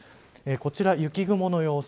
こちら雪雲の様子。